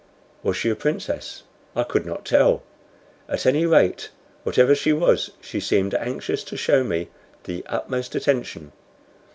Was she a princess? I could not tell. At any rate, whatever she was, she seemed anxious to show me the utmost attention.